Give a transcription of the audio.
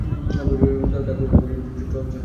তার পুরো নাম জন চেস্টার ব্রুকস মরিস।